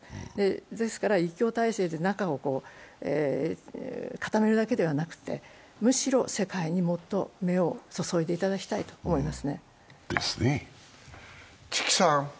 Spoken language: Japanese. ですか、１強体制で中を固めるだけではなくて、むしろ世界にもっと目を注いでいただきたいと思います。